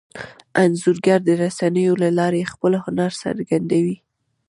انځورګر د رسنیو له لارې خپل هنر څرګندوي.